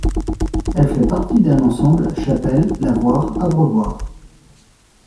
Elle fait partie d'un ensemble chapelle-lavoir-abreuvoir.